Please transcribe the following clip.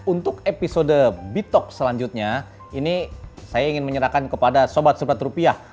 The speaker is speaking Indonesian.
untuk episode bitok selanjutnya ini saya ingin menyerahkan kepada sobat sobat rupiah